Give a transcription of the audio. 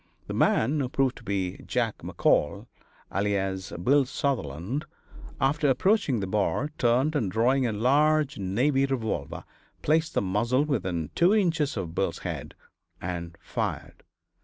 The man, who proved to be Jack McCall, alias Bill Sutherland, after approaching the bar, turned, and drawing a large navy revolver, placed the muzzle within two inches of Bill's head and fired.